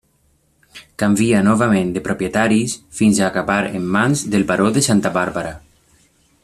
Canvia novament de propietaris fins a acabar en mans del baró de Santa Bàrbara.